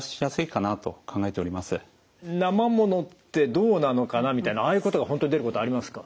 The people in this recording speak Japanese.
なまものってどうなのかなみたいなああいうことが本当に出ることありますか？